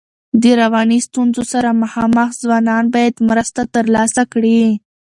د رواني ستونزو سره مخامخ ځوانان باید مرسته ترلاسه کړي.